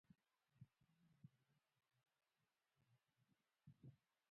بدخشان د افغانانو د ژوند طرز اغېزمنوي.